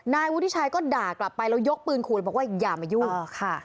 นายวุฒิชัยก็ด่ากลับไปแล้วยกปืนขู่เลยบอกว่าอย่ามายุ่งค่ะ